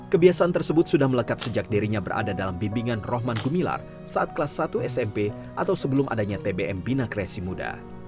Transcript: kebiasaan tersebut sudah melekat sejak dirinya berada dalam bimbingan rohman gumilar saat kelas satu smp atau sebelum adanya tbm bina kreasi muda